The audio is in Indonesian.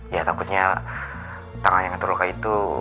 ya takutnya tangan yang terluka itu